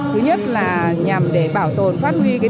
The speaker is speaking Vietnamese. thứ nhất là nhằm để bảo tồn phát huy